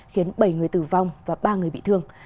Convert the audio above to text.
khiến bảy người tử vong và ba người bị thương